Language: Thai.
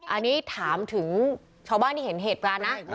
อันนี้ถามถึงชาวบ้านที่เห็นเหตุการณ์นะ